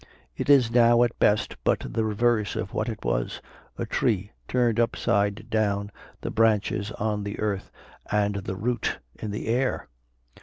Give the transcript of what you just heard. It is now at best but the reverse of what it was, a tree turned upside down, the branches on the earth, and the root in the air.